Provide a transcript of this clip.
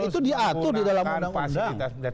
itu diatur di dalam undang undang